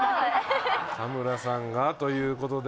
田村さんがということで。